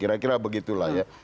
kira kira begitulah ya